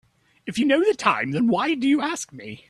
If you know the time why do you ask me?